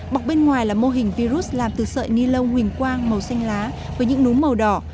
bọc bên ngoài là mô hình virus làm từ sợi ni lông huỳnh quang màu xanh lá với những núm màu đỏ